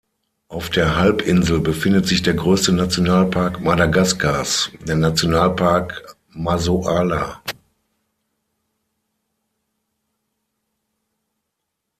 Auf der Halbinsel befindet sich der größte Nationalpark Madagaskars, der Nationalpark Masoala.